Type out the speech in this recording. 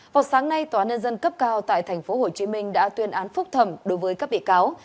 vào sáng nay tòa nhân dân cấp cao tại tp hcm đã tuyên án phúc thẩm đối với các bị cáo